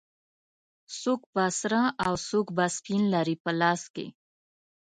څوک به سره او څوک به سپین لري په لاس کې